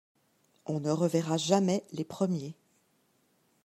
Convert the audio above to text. On ne reverra jamais les premiers.